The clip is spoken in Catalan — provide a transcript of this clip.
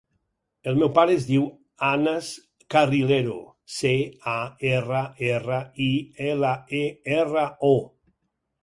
El meu pare es diu Anas Carrilero: ce, a, erra, erra, i, ela, e, erra, o.